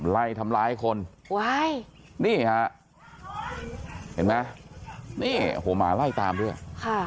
ไล่ทำร้ายคนนี่ฮะเห็นไหมนี่โอ้โหหมาไล่ตามด้วยค่ะ